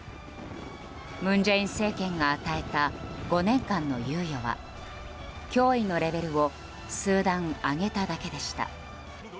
文在寅政権が与えた５年間の猶予は脅威のレベルを数段上げただけでした。